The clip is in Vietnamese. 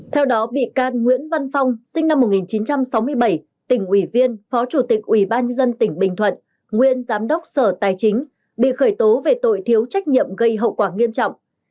theo đó bị can nguyễn văn phong sinh năm một nghìn chín trăm sáu mươi bảy tỉnh ủy viên phó chủ tịch ủy ban nhân dân tỉnh bình thuận nguyên giám đốc sở tài chính bị khởi tố về tội thiếu trách nhiệm gây hậu quả nghiêm trọng